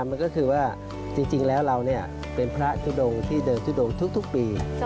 มันก็คือว่าจริงแล้วเราเป็นพระทุดงที่เดิมทุดงทุกปี